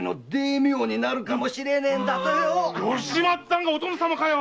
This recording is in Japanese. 吉松さんがお殿様かよ